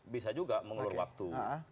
bisa juga mengelur waktu